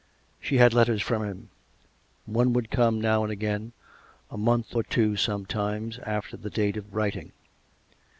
She had letters from him: one would come now and again, a month or two sometimes after the date of writing.